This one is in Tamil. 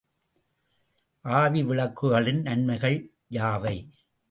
ஆவிவிளக்குகளின் நன்மைகள் யாவை?